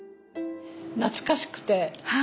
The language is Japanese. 懐かしくて。